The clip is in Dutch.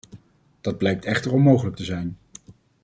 Dat blijkt echter onmogelijk te zijn.